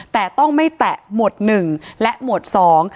แต่ต้องไม่แตะหมวดหนึ่งและหมวดสอง